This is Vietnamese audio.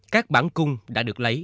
các bản cung đã được lấy